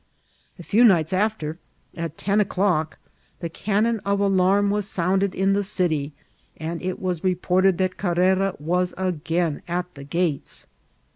A few nights after, at ten o'clock, the cannon of alann was sounded in the city, and it was reported that Carrera was again at the gates.